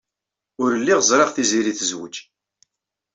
Ur lliɣ ẓriɣ Tiziri tezwej.